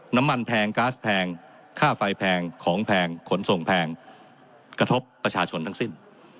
แพงก๊าซแพงค่าไฟแพงของแพงขนส่งแพงกระทบประชาชนทั้งสิ้น